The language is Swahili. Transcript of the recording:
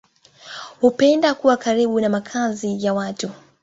Hupenda kuwa karibu na makazi ya watu.